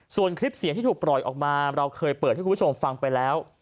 ส่วนคลิปเสียงที่ถูกปล่อยออกมาเราเคยเปิดให้คุณผู้ชมฟังไปแล้ว